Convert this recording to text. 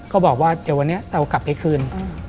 บอกว่าเดี๋ยววันนี้จะเอากลับไปคืน